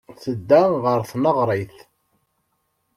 Tedda ɣer tneɣrit.